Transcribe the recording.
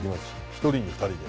１人に２人で。